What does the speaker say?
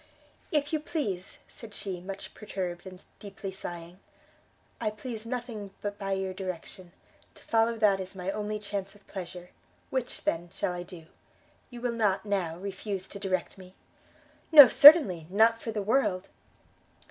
"If you please," said she, much perturbed, and deeply sighing. "I please nothing but by your direction, to follow that is my only chance of pleasure. Which, then, shall I do? you will not, now, refuse to direct me?" "No, certainly, not for the world!"